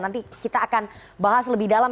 nanti kita akan bahas lebih dalam